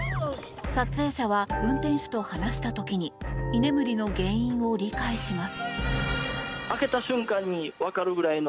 撮影者は、運転手と話した時に居眠りの原因を理解します。